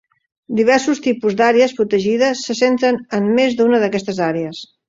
Diversos tipus d'àrees protegides se centren en més d'una d'aquestes àrees.